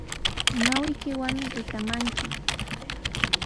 Ñawiykiwan rikaamanki